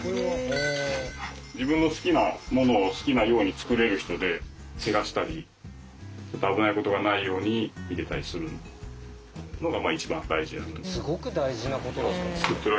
自分の好きなものを好きなように作れる人でけがしたり危ないことがないように見てたりするのが一番大事。